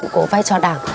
của vai trò đảng